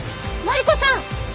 マリコさん！